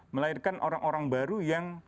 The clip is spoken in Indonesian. melahirkan orang orang baru yang